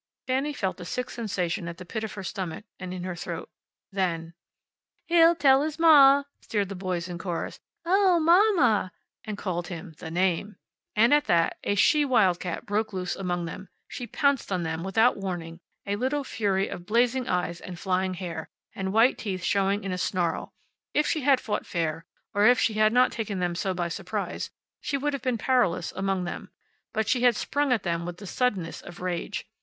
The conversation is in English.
Fanny felt a sick sensation at the pit of her stomach and in her throat. Then: "He'll tell his ma!" sneered the boys in chorus. "Oh, mamma!" And called him the Name. And at that a she wildcat broke loose among them. She pounced on them without warning, a little fury of blazing eyes and flying hair, and white teeth showing in a snarl. If she had fought fair, or if she had not taken them so by surprise, she would have been powerless among them. But she had sprung at them with the suddenness of rage.